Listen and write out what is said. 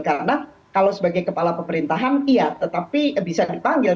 karena kalau sebagai kepala pemerintahan iya tetapi bisa dipanggil